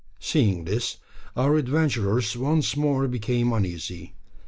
Seeing this, our adventurers once more became uneasy.